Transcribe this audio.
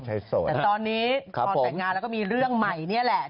แต่ตอนนี้ตอนแต่งงานแล้วก็มีเรื่องใหม่นี่แหละ